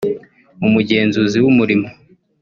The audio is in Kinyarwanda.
Umugenzuzi w’umurimo